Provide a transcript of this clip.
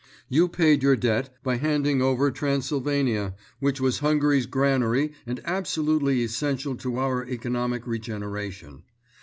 You paid your debt by handing over Transylvania, which was Hungary's granary and absolutely essential to our economic regeneration.